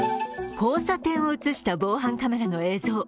交差点を映した防犯カメラの映像。